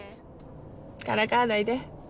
からかわないで。